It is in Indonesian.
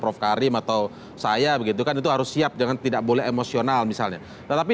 prof karim atau saya begitu kan itu harus siap jangan tidak boleh emosional misalnya tetapi